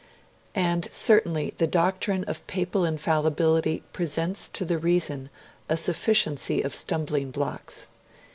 And certainly the doctrine of Papal Infallibility presents to the reason a sufficiency of stumbling blocks.